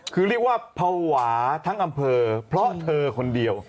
คือเรียกว่าภาวะทั้งอำเภอเพราะเธอคนเดียว